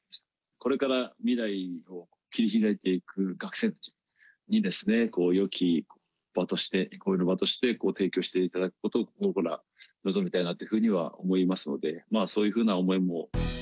これから未来を切り開いていく学生たちに、よき場として、憩いの場として、提供していただくことを、僕ら、望みたいなというふうには思いますので、そういうふうな思いも。